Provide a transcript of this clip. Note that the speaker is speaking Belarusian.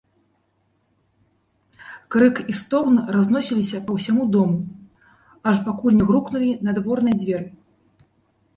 Крык і стогн разносіліся па ўсяму дому, аж пакуль не грукнулі надворныя дзверы.